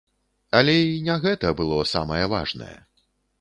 Але і не гэта было самае важнае.